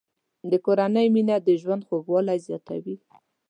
د کورنۍ مینه د ژوند خوږوالی زیاتوي.